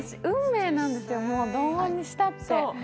運命なんですよ、もうどうにしたって。